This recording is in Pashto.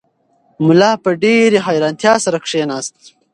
ملا په ډېرې حیرانتیا سره کښېناست.